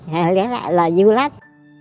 họ lấy lại là dưu lách